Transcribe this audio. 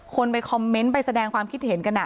คนไปคอมเมนต์ไปแสดงความคิดเห็นกัน